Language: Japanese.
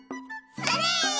それ！